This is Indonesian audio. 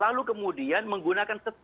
lalu kemudian menggunakan stigma itu